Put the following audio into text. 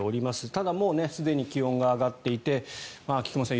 ただ、もうすでに気温が上がっていて菊間さん